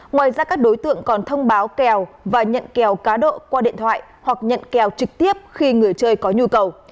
ngoài ra các đối tượng còn thông báo kèo và nhận kèo cá độ qua điện thoại hoặc nhận kèo trực tiếp khi người chơi có nhu cầu